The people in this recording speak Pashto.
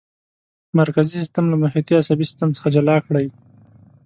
مرکزي سیستم له محیطي عصبي سیستم څخه جلا کړئ.